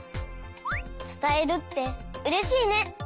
つたえるってうれしいね！